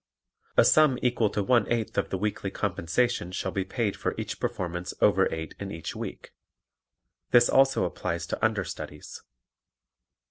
(3) A sum equal to one eighth of the weekly compensation shall be paid for each performance over eight in each week. (This also applies to understudies.)